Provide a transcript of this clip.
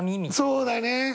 そうだね。